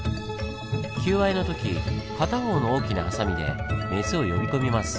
求愛の時片方の大きなハサミでメスを呼び込みます。